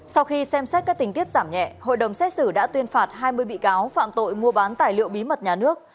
sau khi xem xét các tình tiết giảm nhẹ hội đồng xét xử đã tuyên phạt hai mươi bị cáo phạm tội mua bán tài liệu bí mật nhà nước